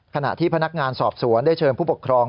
ขณะที่พนักงานสอบสวนได้เชิญผู้ปกครอง